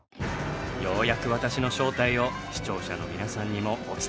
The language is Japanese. ようやく私の正体を視聴者の皆さんにもお伝えできますね。